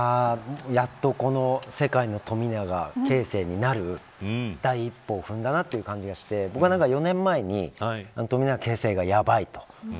やっと、この世界の富永啓生になる第一歩を踏んだなという感じがして僕は４年前に富永啓生がやばいと。